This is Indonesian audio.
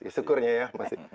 ya syukurnya ya